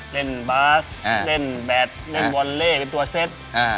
เล่นบาสเล่นแบตเล่นวอลเล่เป็นตัวเซต